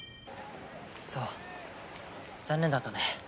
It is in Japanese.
そう残念だったね